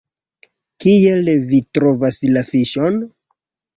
Kiel vi trovas la fiŝon?